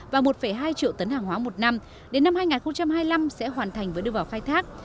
và một hai triệu tấn hàng hóa một năm đến năm hai nghìn hai mươi năm sẽ hoàn thành và đưa vào khai thác